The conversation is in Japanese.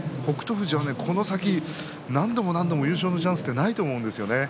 富士は何度も何度も優勝のチャンスはないと思うんですよね。